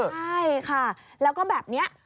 ใช่ค่ะแล้วก็แบบนี้